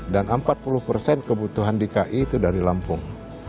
dan empat puluh kebutuhan di ki itu dari lampung